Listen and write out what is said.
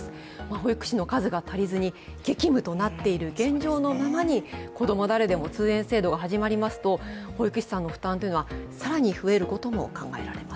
保育士の数が足りずに激務となっている現状のままにこども誰でも通園制度が始まりますと保育士さんの負担というのは更に増えることも考えられます。